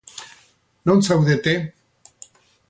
Non zaudete?